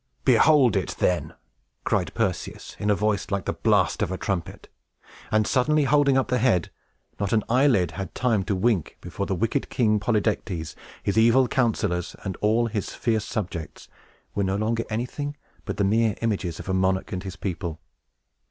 "Behold it, then!" cried Perseus, in a voice like the blast of a trumpet. And, suddenly holding up the head, not an eyelid had time to wink before the wicked King Polydectes, his evil counselors, and all his fierce subjects were no longer anything but the mere images of a monarch and his people.